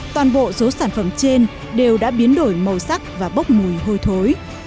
toàn bộ số sản phẩm trên đều đã biến đổi màu sắc và bốc mùi hôi thối